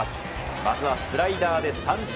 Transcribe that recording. まずはスライダーで三振。